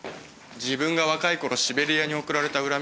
自分が若い頃シベリアに送られた